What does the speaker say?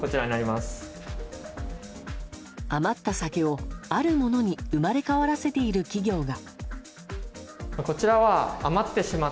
余った酒をあるものに生まれ変わらせている企業が。